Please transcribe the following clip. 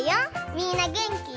みんなげんき？